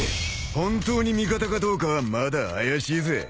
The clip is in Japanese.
［本当に味方かどうかはまだ怪しいぜ］